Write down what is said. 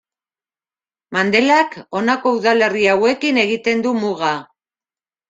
Mandelak honako udalerri hauekin egiten du muga.